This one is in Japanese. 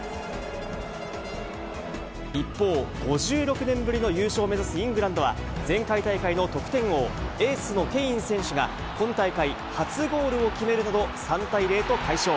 一方、５６年ぶりの優勝を目指すイングランドは、前回大会の得点王、エースのケイン選手が、今大会、初ゴールを決めるなど、３対０と快勝。